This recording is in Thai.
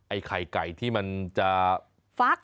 ไข่ไก่ที่มันจะฟัก